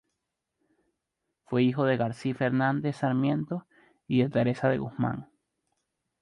Fue hijo de Garcí Fernández Sarmiento y de Teresa de Guzmán.